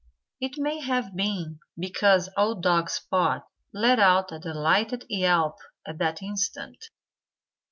It may have been because old dog Spot let out a delighted yelp at that instant.